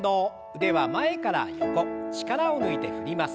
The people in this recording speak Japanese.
腕は前から横力を抜いて振ります。